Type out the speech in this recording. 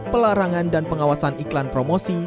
pelarangan dan pengawasan iklan promosi